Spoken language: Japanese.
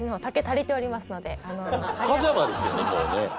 パジャマですよねもうね。